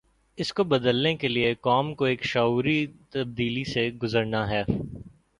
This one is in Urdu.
اس کو بدلنے کے لیے قوم کو ایک شعوری تبدیلی سے گزرنا ہے۔